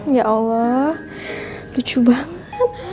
ya allah lucu banget